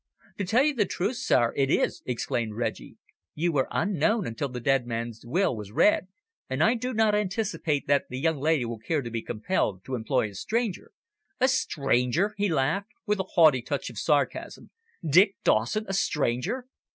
"To tell you the truth, sir, it is," exclaimed Reggie. "You were unknown until the dead man's will was read, and I do not anticipate that the young lady will care to be compelled to employ a stranger." "A stranger!" he laughed, with a haughty touch of sarcasm. "Dick Dawson a stranger!